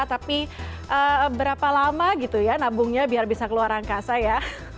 tapi berapa lama gitu ya nabungnya biar bisa keluar angkasa ya